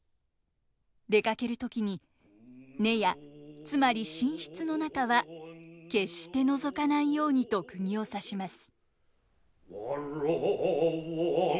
出かける時に寝屋つまり寝室の中は決して覗かないようにとくぎを刺します。